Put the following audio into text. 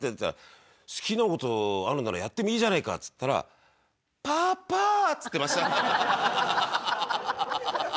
「好きな事あるならやってもいいじゃねえか」って言ったら「パパ」って言ってました。